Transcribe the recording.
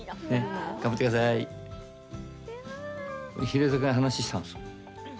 ヒレ酒の話したんですよ